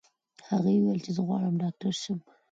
هغې وویل چې زه غواړم ډاکټره شم.